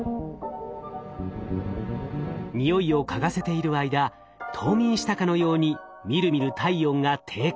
においを嗅がせている間冬眠したかのようにみるみる体温が低下。